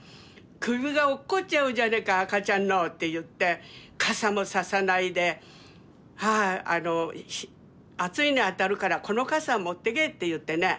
「首が落っこっちゃうじゃねえか赤ちゃんの」って言って「傘も差さないで暑いの当たるからこの傘持ってけ」って言ってね